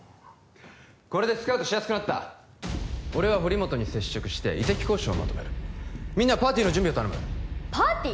これでスカウトしやすくなった俺は堀本に接触して移籍交渉をまとめるみんなはパーティーの準備を頼むパーティー？